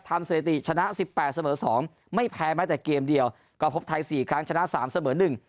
ทามเซรติชนะ๑๘เสมอ๒ไม่แพ้ไหมแต่เกมเดียวก็พบไทย๔ครั้งชนะ๓เสมอ๑